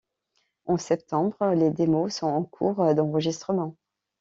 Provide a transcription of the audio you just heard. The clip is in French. En septembre, les démos sont en cours d'enregistrement.